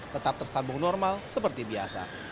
tetap tersambung normal seperti biasa